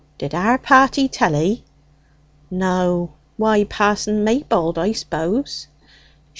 Did our party tell 'ee?" "No. Why, Pa'son Maybold, I suppose."